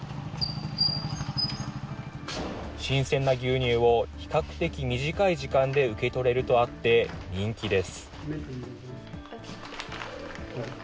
新鮮な牛乳を比較的短い時間で受け取れるとあって人気です。